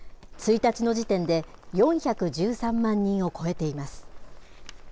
１日の時点で４１３万人を超えています。